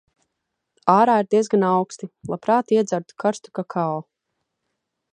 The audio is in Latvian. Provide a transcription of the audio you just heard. Ārā ir diezgan auksti. Labprāt iedzertu karstu kakao.